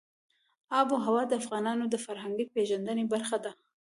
آب وهوا د افغانانو د فرهنګي پیژندنې برخه ده.